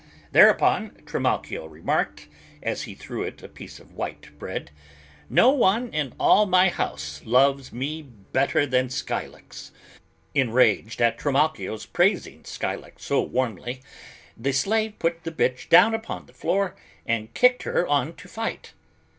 Thereupon Trimalchio remarked, as he threw it a piece of white bread, "No one in all my house loves me better than Scylax." Enraged at Trimalchio's praising Scylax so warmly, the slave put the bitch down upon the floor and sicked her on to fight.